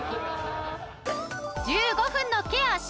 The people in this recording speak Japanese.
１５分のケア終了！